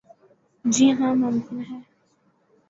جی ہاں ممکن ہے ۔